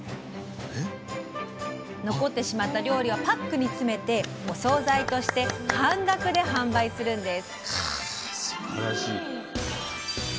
残ってしまった料理はパックに詰めてお総菜として半額で販売するんです。